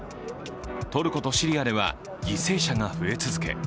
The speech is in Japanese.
トルコとシリアでは、犠牲者が増え続け